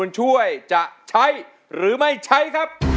ช่วยจะใช้หรือไม่ใช้ครับ